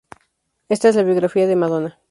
Esta es la biografía de Madonna.